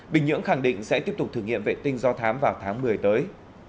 bình nhưỡng khẳng định sẽ tiếp tục thử nghiệm vệ tinh do thám vào tháng một mươi tới